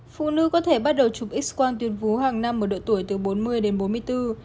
phụ nữ có thể bắt đầu chụp x quang tuyên vú hàng năm ở độ tuổi từ bốn mươi đến bốn mươi bốn